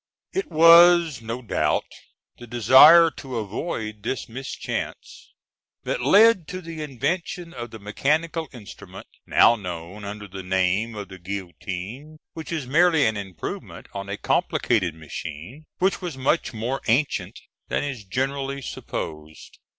It was no doubt the desire to avoid this mischance that led to the invention of the mechanical instrument, now known under the name of the guillotine, which is merely an improvement on a complicated machine which was much more ancient than is generally supposed.